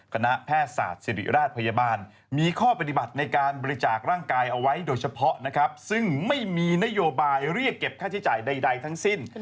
คณะแพทย์ศาสตร์ศิริราชพยาบาลมีข้อปฏิบัติในการบริจาคร่างกายเอาไว้โดยเฉพาะนะครับซึ่งไม่มีนโยบายเรียกเก็บค่าใช้จ่ายใดทั้งสิ้น